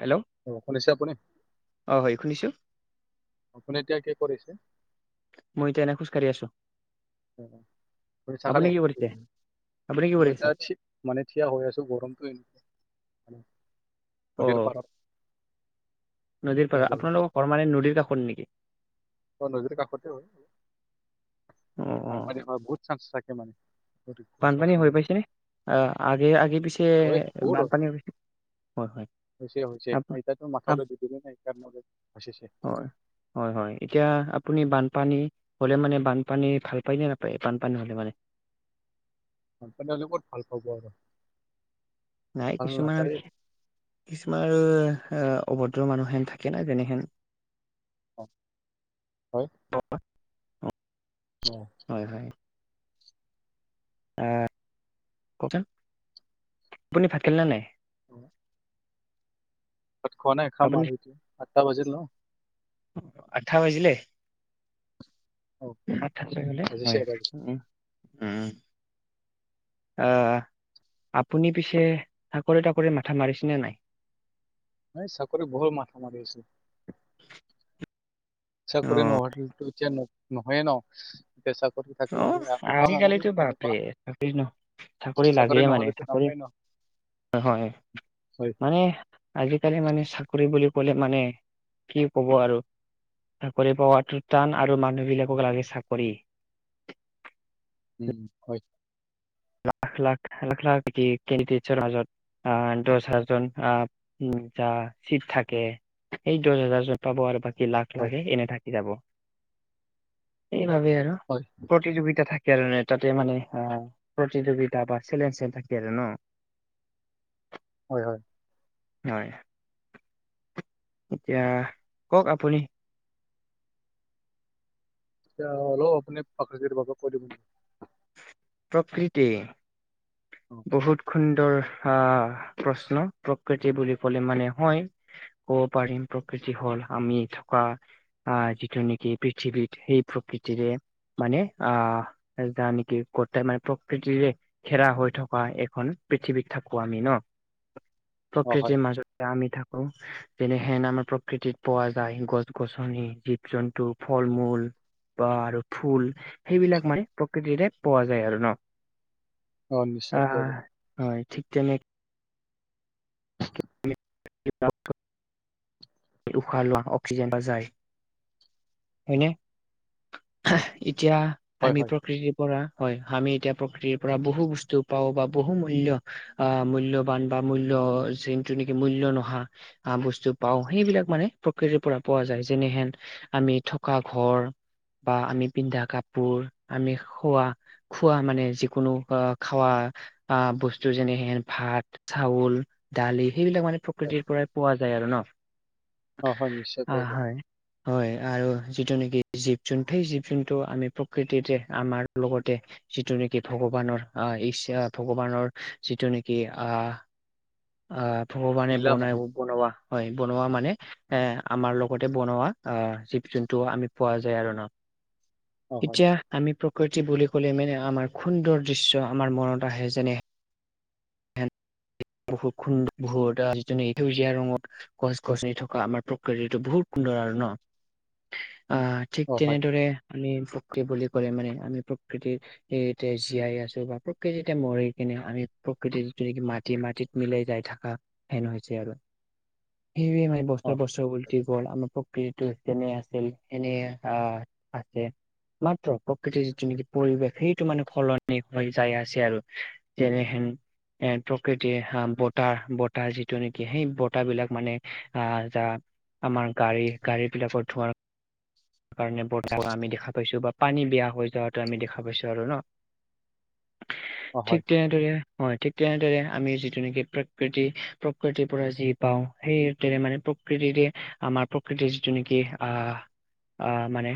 Hello অঁ' শুনিছে আপুনি? অঁ হয়, শুনিছোঁ। আপুনি এতিয়া কি কৰিছে? মই এতিয়া এনে খোজকাঢ়ি আছো। উম' উম' শুঁই থাকা আপুনি দেই, কি কৰিছে আপুনি কি কৰি আছে [unintelligible] মানে থিয় হৈ আছো গৰমটো এনে অ নদীৰ পাৰত। নদীৰ পাৰ, ইয়াৰ বাবে আপোনালোকৰ ঘৰ মানে নদীৰ কাষত নেকি? অ' নদীৰ কাষতে হয়। অ অ বানপানী হোৱা বহুত চান্স থাকে মানে। নদীত ঘৰ চৰ বানপানী ভাঙি হৈ পাইছে নে? অ আগে আগে পিছে হয় বহুত হয় বানপানী হৈছে? হয় হয়। হৈছে হৈছে, আপ ইতিয়াটো আপ মাথাউৰি দিদিলে নাই, ইতিয়া হৈছে হৈছে। হয় হয় হয়, এতিয়া আপুনি বানপানী হলে মানে বানপানী ভাল পায় নে নাপায় বানপানী হলে মানে? বানপানী হ'লে ক'ত ভাল পাব আৰু? নাই ভাল কিছুমান নাপায়ে কিছুমান আৰু অভদ্ৰ মানুহেন থাকে না যেনেহেন- অঁ, হয়। অ অ। অঁ। হয় হয়। অঁ কওকচোন, আপুনি ভাত খালেনা নাই? অঁ'। তাত খোৱা নাই খাম আপুনি আৰু এতিয়া, আঠটা বাজিল ন। অ অ আঠঠা বাজিলে? অ আঠাইলে গলে বাজিছে হয়, বাজিছে উম উম। অ' আপুনি পিছে চাকৰি তাকৰি মাথা মাৰিছেনে নাই? এই চাকৰি বহুত মথা মাৰি আছো। চাকৰী কৰি অ', নহলেটো এতিয়া নহয়ে ন। এতিয়া চাকৰি অ'। থাকিলেহে আমি পাম আৰু আজিকালিতো বাপৰে এনেকুৱা, চাকৰি ন লাগেই চাকৰি মানে নহলে- টো চাকৰি নাপায় ন। হয়, হয় মানে- আজিকালি মানে চাকৰি বুলি ক'লে মানে কি কব আৰু? চাকৰি পোৱাতো টান আৰু মানুহ বিলাকক লাগে চাকৰি। উম' হয়ত- লাখ লাখ লাখ লাখ কি কেন্দিদেটছৰ মাজত- আঁহ দহ হাজন আঁহ উম যা চীত থাকে। এই দহ হাজাৰ চীত পাব আৰু, বাকী লাখ- হয় লাগে এনেই থাকি যাব, সেই বাবেই আৰু- হয়। প্ৰতিযোগিতা থাকে আৰু নে তাতে মানে অঁ প্ৰতিযোগিতা বা চেলেকশ্যন থাকে আৰু ন। হয় হয়। হয়। এতিয়া, কওক আপুনি? এতিয়া অলপ আপুনি প্ৰকৃতি বাবে কৈ দিব নি? প্ৰকৃতি? অ বহুত সুন্দৰ আহ প্ৰশ্ন প্ৰকৃতি বুলি ক'লে মানে হয় ক'ব পাৰিম প্ৰকৃতি হল আমি থকা আহ যিটো নেকি পৃথিৱীত সেই প্ৰকৃতিৰে মানে আ যা নেকি কটাই মানে প্ৰকৃতিৰে ঘেৰা হৈ থকা এখন পৃথিৱীত থাকো আমি ন অ হয় প্ৰকৃতিৰ মাজত এয়া আমি থাকো যেনেহেন আমাৰ প্ৰকৃতিত পোৱা যায় গছ গছনি জিব জন্তু ফল মূল বা আৰু ফুল সেইবিলাক মানে প্ৰকৃতিতে পোৱা যায় আৰু ন অ নিশ্চয় পোৱা আহ যায় হয় ঠিক তেনেক উশাহ লোৱা অক্সিজেন বা যায় হয়নে হয় এতিয়া হয় আমি হয় প্ৰকৃতিৰ পৰা হয় আমি এতিয়া প্ৰকৃতিৰ পৰা বহু বস্তু পাওঁ বা বহু মূল্য আ মূল্যবান বা মূল্য যিনটো নেকি মূইল ল্য নোহা আহ বস্তু পাও সেইবিলাক মানে প্ৰকৃতিৰ পৰা পোৱা যায় যেনেহেন আমি থকা ঘৰ বা আমি পিন্ধা কাপোৰ আমি খোৱা খোৱা মানে যিকোনো আহ খাৱা আ বস্তু যেনেহেন ভাত চাউল দালি সেইবিলাক মানে প্ৰ হয় কৃতিৰ পৰাই পোৱা যায় আৰু ন অ হয় নিশ্চয় অ পোৱা যায় হয় হয় আৰু যিটো নেকি জীৱ জন্তু সেই জীৱ জন্তু আমি প্ৰকৃতিতে আমাৰ লগতে যিটো নেকি ভগৱানৰ অ ইচ্ছা ভগৱানৰ যিটো নেকি আহ আ ভগৱানে দিলা বনাই মানে বনোৱা হয় বনোৱা মানে এ আমাৰ লগতে বনোৱা আহ জীৱ জন্তু আমি পোৱা যায় আৰু ন অ হয় এতিয়া আমি প্ৰকৃতি বুলি ক'লে মেনে আমাৰ সুন্দৰ দৃশ্য আমাৰ মনত আহে যেনেহ বহুত খুড ভ [inaudible] যেনেক সেউজীয়া ৰঙৰ গছ গছনি থকা আমাৰ প্ৰকৃতিটো বহুত সুন্দৰ আৰু ন আহ ঠিক অ হয় তেনেদৰে আমি প্ৰকৃ বুলি ক'লে মানে আমি প্ৰকৃতিৰ, এ এতিয়া জীয়াই আছো বা প্ৰকৃতিতে মৰি কিনে আমি প্ৰকৃতি যিটো নেকি মাত, টি মাটিত মিলাই যাই থাকা হেন হৈছে আৰু। সেইবোৱে মানে অ বছতৰ বছৰ উলটি গ'ল আমাৰ, প্ৰক কৃতোৰ কেনে আছিল সেনে আ আছে, মাত্ৰ প্ৰকৃতিৰ যিটো নেকি পৰিৱেশ, সেইটো মানে সলনি হৈ যাই আছে আৰু যেনেহেন, কৃতিয়ে হা বতাৰ বতাহ যিটো নেকি সেই বতাহ বিলাক মানে আহ যা, আমাৰ গাড়ী, গাড়ী বিলাকত ধোৱাৰ, কাৰণে বতাহ বেয়া, আমি দেখা পাইছো বা পানী বেয়া হৈ যোৱাটো আমি দেখা পাইছো আৰু ন। অ হয় ঠিকে দৰে হয় ঠিক তেনেদৰে আমি যিটো নেকি প্ৰকৃতি প্ৰকৃতিৰ পৰা যি, পাওঁ সেইতেৰে মানে প্ৰকৃতিৰে আমাৰ প্ৰকৃতিৰ যিটো নিকি আহ, আ মানে,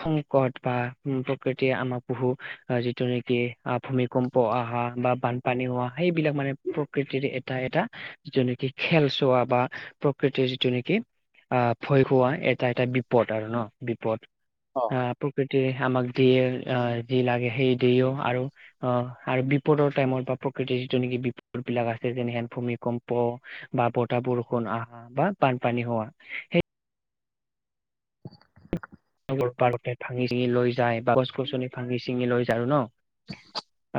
সংকট বা উ প্ৰকৃতিয়ে আমাক বহু আহ যিটো নেকি আ ভূমি - কম্প অহা বা বানপানী হোৱা সেইবিলাক মানে প্ৰকৃতিৰ এটা এটা যিটো নেকি খেল চোৱা বা প্ৰকৃতিৰ যিটো নেকি, আহ ভয় খোৱা এটা এটা বিপদ আৰু ন বিপদ। অ আ হয় প্ৰকৃতিৰে আমাক দিয়ে আ যি লাগে সেই দিয়েও, আৰু অহ আৰু বিপদৰ টাইমত বা প্ৰকৃতিৰ যিটো নেকি বিপদ বিলাক আছে যেনেহেন ভূমিকম্প, বা বতাহ, বৰষুণ আহা বা বানপানী হোৱা, সেই- [inaudible] পাৰ ভাঙি- চিঙি লৈ যায়, বা গছ-গছনি ভাঙি- চিঙি লৈ যায় আৰু ন।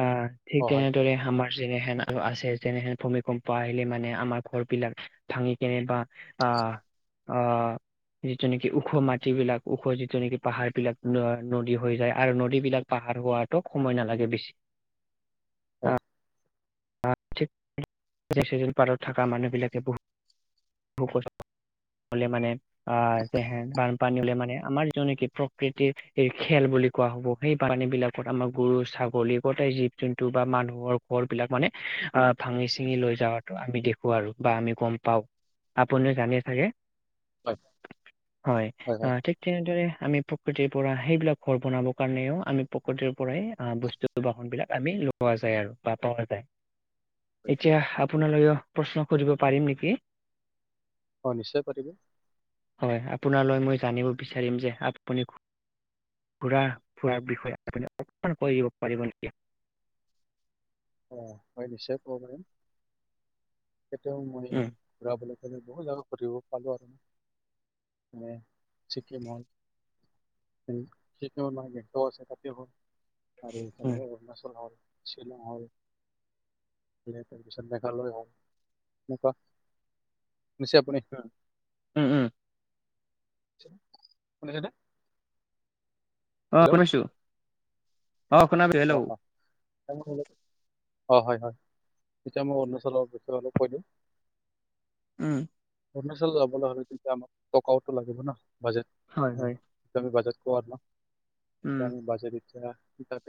অ, অ ঠিক হয় তেনেদৰে আমাৰ যেনেহেন আৰু আছে, যেনেহেন ভূমিকম্প আহিলে মানে আমাৰ ঘৰ বিলাক ভাঙি কেনে বা আহ, অ, যিটো নেকি ওখ মাটিবলাক ওখ যিটো নেকি পাহাৰ বিলাক নদী হৈ যায়। আৰু নদী বিলাক পাহাৰ হোৱাত সময় নালাগে বেছি। হয়। ঠিক [unintelligible] পাহাৰত থকা মানুহ বিলাকে বহুত কষ্ট। হ'লে মানে আহ, বানপানী হ'লে মানে আমাৰ নিজৰ প্ৰকৃতিৰ এই খেল বুলি কোৱা হ'ব। সেই পানী বিলাকত আমাৰ গৰু, ছাগলী গোটাই যি যোনটো বা মানুহৰ ঘৰ বিলাক মানে। আহ, ভাঙি- চিঙি লৈ যাৱটো আমি দেখো আৰু বা আমি গম পাও। আপুনি জানেই চাগে? হয় হয়, অ ঠিক তেনেদৰে আমি প্ৰকৃতিৰ পৰা সেইবিলাক ঘৰ বনাব কাৰণেও আমি প্ৰকৃতিৰ পৰাই আহ, বস্তু বাহন বিলাক আমি নোপোৱা যায় আৰু বা পোৱা নাযায়। এতিয়া আপোনালৈও প্ৰশ্ন কৰিব পাৰিম নেকি? অ, নিশ্চয় পাৰিব। হয়, আপোনালৈ মই জানিব বিচাৰিম যে আপুনি ঘুৰা- ফুৰা বিষয়ে, আপুনি অকমান কৈ দিব পাৰিব নেকি? অ, হয়, নিশ্চয় ক'ব পাৰিম। এতিয়াও মই উম, ঘূৰা বুলি কলে, বহুত জাগা ঘুৰিব পালো আৰু। নে চিকিম হ'ল সেইটো আমাৰ আছে কাতি হ'ল আৰু উম, ইইফালে অৰুণাচল হ'ল। শ্বিলং হ'ল, তাৰপিছত মেঘালয় হওক। নিশ্চয় আপুনি উম, উম। শুনিছেনে? অ, হেল্ল' শুনিছো, অ, শুনিছোঁ হেল্ল'। হেল্ল। হয়- হয়- হয়, এতিয়া মই অৰুণাচলৰ ভিতৰলৈ কৈ দিম। উম। অৰুণাচল যাবলৈ হ'লে কিন্তু আমাক টকাওতো লাগিব না। বাজেট হয়, মানে হয়। এতিয়া আমি বাজেট কওঁ আৰু তোমাক ন, উম, এতিয়া আমি বাজেট ইচ্ছা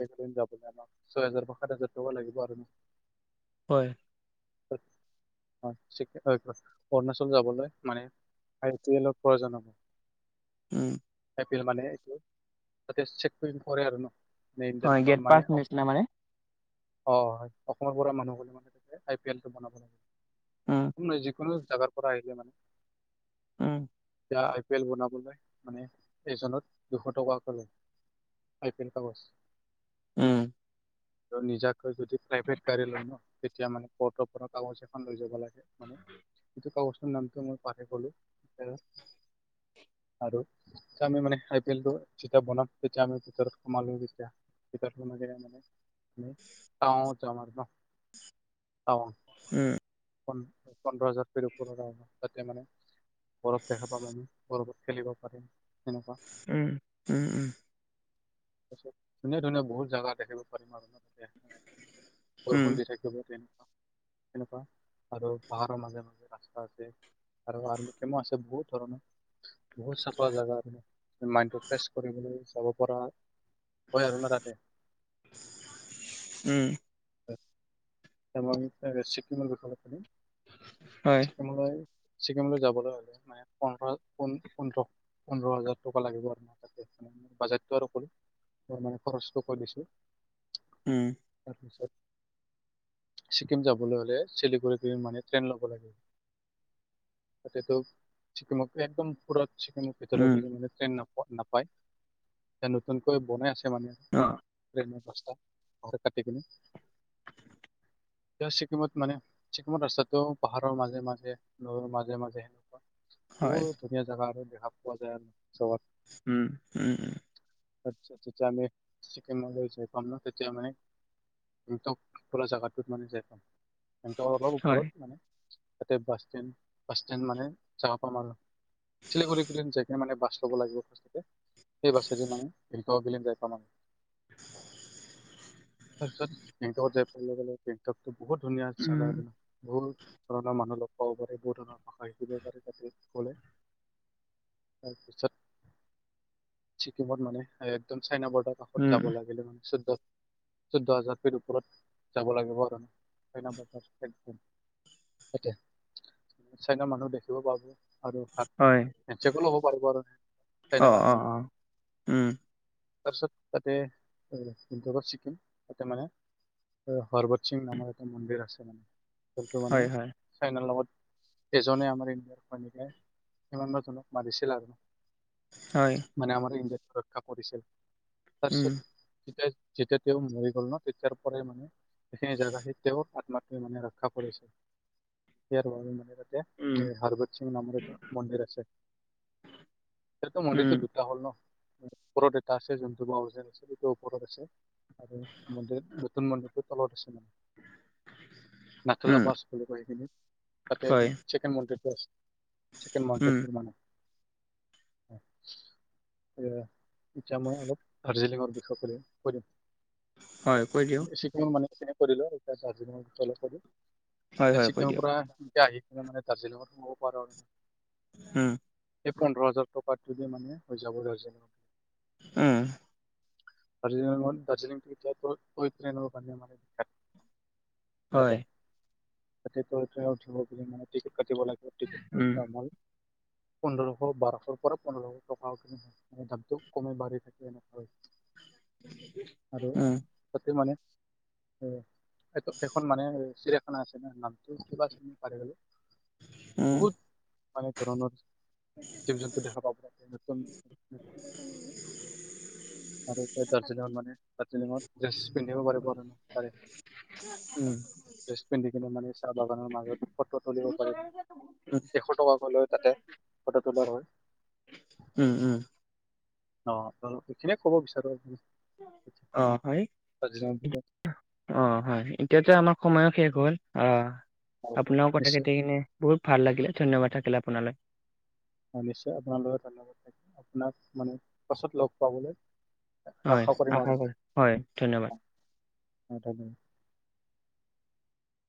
একদিন‌ যাব নাপাওঁ, ছয় হাজাৰ বা সাত হাজাৰ টকা লাগিব আৰু ন। হয়। অৰুণাচল যাবলৈ মানে আই পি এলক পৰে জান'। উম। পি [unintelligible] যে মানে যাতে চেক কৰি কৰে আৰু ন- হয় ন গেট পাছ মানে অঁ। নিচিনা মানে অ, হয় অসমৰ পৰা মানুহ গ'লে মানে আই পি এল টো বনাব লাগে। উম, তুমি যিকোনো জাগাৰ পৰা আহিলে মানে। উম। এতিয়া আই পি এল বনাবলৈ মানে এজনত দুশ টকাক লয়। আই পি এল কাগজ। উম তোৰ নিজাকৈ যদি প্ৰাইভেট গাড়ী লয় ন তেতিয়া মানে পটপ ফোনত কাগজ এখন লৈ যাব লাগে মানে এইতো কাগজটোৰ নামটো মই পাহৰি গলো আৰু তেতিয়া আমি মানে আই পি এলটো যেতিয়া বনাম তেতিয়া আমি ভিতৰত সোমালো যেতিয়া িত মানে আ মাৰ [unintelligible] উম পোন্ধৰ হাজাৰ কে ওপৰৰ তাতে মানে বৰফ দেখা পাম আমি বৰফ খেলিব পাৰি তেনেকুৱা উম উম উম তাৰপিছত ধুনীয়া ধুনীয়া বহুত জাগা দেখিব পাৰিম আৰু ন তেতিয়া উম, বৰষুণ দি থাকিব পাৰিম এনেকুৱা আৰু পাহাৰৰ মাজে মাজে ৰাস্তা আছে আৰু আৰ্মী কেমো আছে বহুত ধৰনৰ বহুত চাফা জাগা আৰু মাইন্ডটো ফ্ৰেছ কৰিবলৈ যাব পৰা হয় আৰু না তাতে উম তাৰ মানে [unintelligible] চিকিমৰ হয়, তোমাৰ লৈ ছিকিমলৈ যাবলৈ হ'লে মানে পোন্ধৰ পোন্ধৰ পোন্ধৰ হাজাৰ টকা লাগিব আৰু তাত বাজেটতো আৰু কৰি খৰচটো কৈ দিছো উম তাৰপিছত ছিকিম যাবলৈ হ'লে চিলিগুৰিৰ মানে ট্ৰেইন ল'ব উঠিব লাগে তাতেতো চিকিমত একদম ওপৰত চিকন ম ভিতৰৰ উম। পিনে মানে ট্ৰেইন নাপায় এ নতুনকৈ বনাই আছে মানে অহ ট্ৰেইনৰ ব্যৱস্থা নহলে কাটি কিনে এতিয়াও ছিকিমত মানে ছিকিমত ৰাস্তাটো পাহাৰৰ মাজে মাজে নৈৰ মাজে মাজে সেনেকুৱা হয়, বহুত ধুনীয়া জেগা আৰু দেখা পোৱা যায় আৰু চবত উম উম উম আচ্ছা আচ্ছা যেতিয়া আমি চিকিনলৈ যায় পাম ন তেতিয়া মানে গেংন্তক পুৰা জাগাটোত মানে যায় পাম গেংন্তকৰ অলপ হয়, ওপৰত মানে তাতে বাছ ষ্টেণ্ড বাছ ষ্টেণ্ড মানে চাবা পাম আৰু চিলিগুৰি ফালে যায় কিনে মানে বাছ ল'ব লাগিব পাছতে সেই বাছেদি মানে গেংটক গেলি যায় পাম [unintelligible] তাৰপিছত গেংটকত যায় পোৱাৰ লগে লগে গেংকটো বহুত ধুনীয়া উম, জাগা ৰে বহুত ধৰণৰ মানুহ লগ পাব পাৰি বহু ধৰণৰ ভাষা শিকিব পাৰে তাৰপিছত ক'লে। তাৰ পিছত। ছিকিমত মানে একদম চাইনা বৰ্ডাৰ কাষত উম, যাব লাগিলে মানে চৈদ্দত। চৈধ্য হাজাৰ ফিত ওপৰত যাব লাগিব আৰু ন চাইনা বৰডাৰ একদম। তাতে চাইনা মানুহ দেখিব পাব। আৰু হাত হয়। হেণ্ডচেকো ল'ব পাৰিব আৰু অ', চাইনাৰ অ', আৰ্মি ৰ লগত। অ', উম! তাৰপিছত তাতে উগত চিকিম তাতে মানে। অহ হৰ্বত সিং নামৰ এটা মন্দিৰ আছে মানে যোনটো মানে হয়, হয়, চাইনাৰ লগত, এজনে আমাৰ ইণ্ডিয়াৰ [inaudible] কিমানবা জনক মাৰিছিল আৰু। হয়। মানে আমাৰ ইণ্ডিয়াত ৰক্ষা পৰিছিল, উম, তাৰপিছত তেতিয়া যেতিয়া তেওঁ, মৰি গ'ল ন, তেতিয়াৰ পৰাই মানে সেই জেগাতেই তেওঁৰ আত্মা তে, মানে ৰক্ষা কৰিছে, ইয়াৰ বাবে মানে তাত তে, উম, হৰবত সিং নামৰ এটা মন্দিৰ আছে, তাততো মন্দিৰটো উম, দু ত, হ'ল ন, ওপৰত এটা আছে, যোনটো ম, আজেছো সেইটো ওপৰত আছে। আৰু মন্দিৰ, নতুন মন্দিৰটোৰ তলত আছে মানে। [unintelligible] নাখেলা উম, বাছ, বুলি কয় সেইখিন তাকে হয়, চেকেন মন্দিৰটো আছে। চিকেন উম, মন্দিৰটোৰ মানে অ, [unintelligible] এইয়া, ইতিয়া মই অলপ দাৰ্জিলিঙৰ বিষয়ে কৰিম, কৰিম। হয় কৈ দিয়ক এই, চিকিমৰ মানে কেনে পৰিল এতিয়া দাৰ্জিলিঙৰ‌ অলপ পঢ়িম। হয়, এতিয়া হয় কৈ দিয়ক। ছিকিমৰ পৰা এতিয়া আহি কিনে, মানে দাৰ্জিলিঙত সোমাব পাৰো আৰু। উম, এই পোন্ধৰ হাজাৰ টকাতো দিয়ে মানে [unintelligible] উম, দাৰ্জিলিংঙে মন, দাৰ্জিলিং ভিতৰত গৈ কৈ পিনে আনিব পাৰে মানে [unintelligible] তাতে, তাতে ত, উঠিব বুলি মানে টিকেট কাটিব লাগে। টিকেতটোৰ উম দাম হ'ল, পোন্ধৰশ বাৰশৰ পৰা পোন্ধৰশ টকাটো দামটো, কমেই বাঢ়ি থাকে এনেকৈ। আৰু উম তাতে মানে এই এইটো, এখন মানে চিলেক না, আছেনে নামটো কিবা আছেনে পাৰিগলো। বহুত মানে, ধৰণৰ জীৱ-জন্তু দেখা পাওঁ [unintelligible] [unintelligible] [unintelligible] আৰু এই, দাৰ্জিলিঙত মানে, দাৰ্জিলিঙত ইয়েছ পিন্ধিব পাৰিব আৰু তাৰে। উম, ড্ৰেছ পিন্ধি কেনে, মানে চাহ বাগানৰ মাজত ফটো তুলিব পাৰিম, এশ টকাকৈ লৈ তাতে ফটো তোলোৱাৰ হয়। উম, উম, অ, তল এইখিনিয়ে ক'ব বিচাৰো আৰু। অ, হয় দাৰ্জিলিঙৰ ইতি বিষয়ে অ, হয় এতিয়াতো আমাৰ সময়ো শেষ হ'ল, অহ আৰু আপোনাৰও কথা নিশ্চয় কেতি কিনে বহুত ভাল লাগিলে ধন্যবাদ থাকিলে, আপোনালৈ। হয়, নিশ্চয় আপোনালৈও ধন্যবাদ থাকি, আপোনাক মানে পাছত লগ পাবলৈ হয়, কৰিম আৰু আশা কৰে, হয় ধন্যবাদ। [unintelligible]